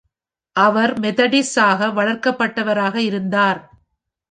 அவர் Methodist ஆக வளர்க்கப்பட்டவராக இருந்தார்.